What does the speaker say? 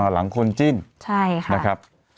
หลังคนจิ้นใช่ค่ะนะครับ